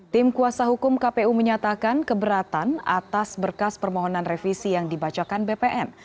tim kuasa hukum kpu menyatakan keberatan atas berkas permohonan revisi yang dibacakan bpn